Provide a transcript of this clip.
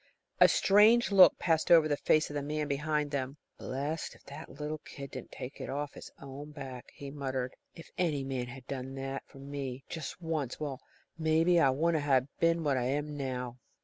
A strange look passed over the face of the man behind them. "Blessed if the little kid didn't take it off his own back," he muttered. "If any man had ever done that for me just once well, maybe, I wouldn't ha' been what I am now!"